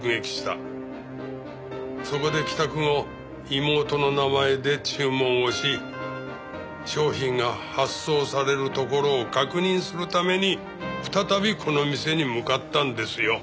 そこで帰宅後妹の名前で注文をし商品が発送されるところを確認するために再びこの店に向かったんですよ。